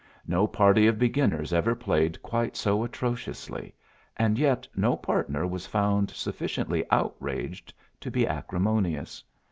No party of beginners ever played quite so atrociously, and yet no partner was found sufficiently outraged to be acrimonious.